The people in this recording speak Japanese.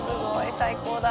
最高だ。